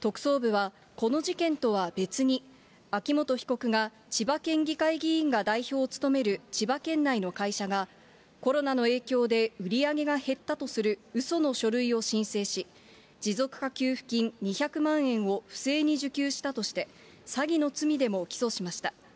特捜部は、この事件とは別に、秋本被告が千葉県議会議員が代表を務める千葉県内の会社が、コロナの影響で売り上げが減ったとするうその書類を申請し、持続化給付金２００万円を不正に受給したとして、詐欺の罪でも起訴しました。